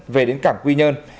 về đến cảng quy nhơn